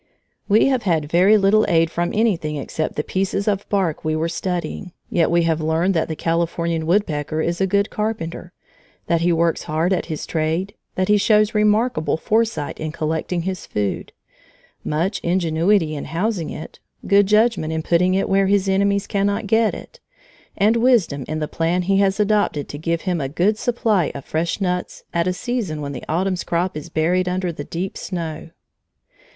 We have had very little aid from anything except the piece of bark we were studying, yet we have learned that the Californian woodpecker is a good carpenter; that he works hard at his trade; that he shows remarkable foresight in collecting his food, much ingenuity in housing it, good judgment in putting it where his enemies cannot get it, and wisdom in the plan he has adopted to give him a good supply of fresh nuts at a season when the autumn's crop is buried under the deep snow.